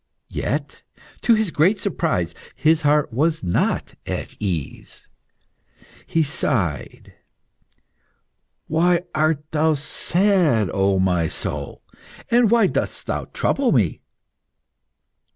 Yet, to his great surprise, his heart was not at ease. He sighed. "Why art thou sad, O my soul, and why dost thou trouble me?"